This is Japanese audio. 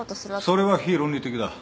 それは非論理的だ。